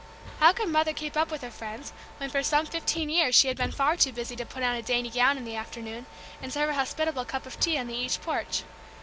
How could Mother keep up with her friends, when for some fifteen years she had been far too busy to put on a dainty gown in the afternoon, and serve a hospitable cup of tea on the east porch?